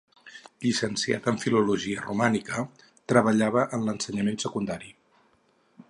Llicenciat en Filologia Romànica, treballava en l'ensenyament secundari.